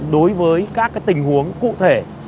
đối với các cái tình huống cụ thể